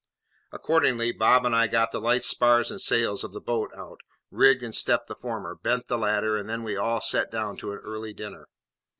Accordingly, Bob and I got the light spars and sails of the boat out, rigged and stepped the former, bent the latter, and then we all sat down to an early dinner.